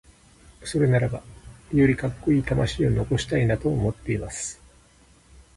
それならばよりカッコイイ魂を残したいなと思っています。